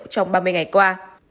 trong ba mươi ngày qua